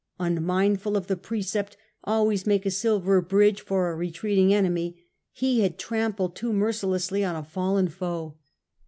Unmindfdl of the precept * always make a silver bridge for a retreating enemy/ he had trampled too mercilessly on a fallen foe.